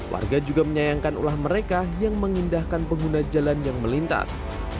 warga juga menyayangkan ulah mereka yang mengindahkan pengguna jalan yang melintas